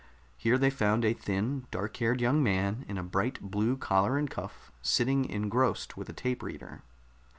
Here they found a thin, dark haired young man in a bright blue collar and cuff, sitting engrossed with a tape reader.